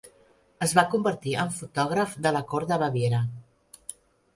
Es va convertir en fotògraf de la cort de Baviera.